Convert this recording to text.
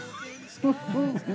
「フフフ！